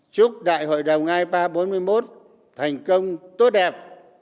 chúc đại hội đồng ngày ba bốn mươi một thành công tốt đẹp